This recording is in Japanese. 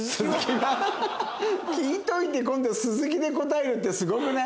聞いといて今度「鈴木」で答えるってすごくない？